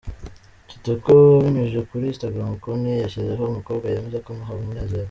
Kitoko abinyujije kuri instagram konte ye yashyizeho umukobwa yemeza ko amuha umunezero.